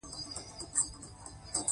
• لمر د ژوند او هستۍ لوی عامل و.